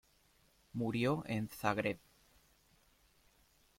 Murió en Zagreb.